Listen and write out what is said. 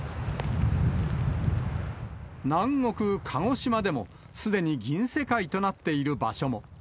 南国、鹿児島でも、すでに銀世界となっている場所も。